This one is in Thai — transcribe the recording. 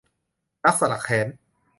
รักสลักแค้น